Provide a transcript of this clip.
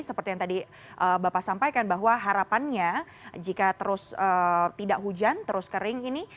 seperti yang tadi bapak sampaikan bahwa harapannya jika terus tidak hujan terus kering ini